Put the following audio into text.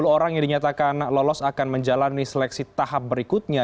sepuluh orang yang dinyatakan lolos akan menjalani seleksi tahap berikutnya